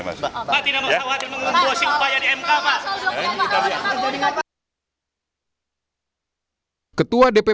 pak tidak mau sangat mengumpulkan upaya di mk pak